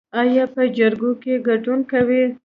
ایا په جرګو کې ګډون کوئ؟